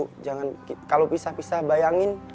kalau pisah pisah bayangin